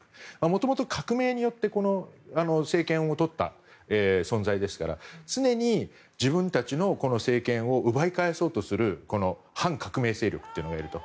もともと革命によって政権をとった存在ですから常に自分たちの政権を奪い返そうとする反革命勢力というのがいると。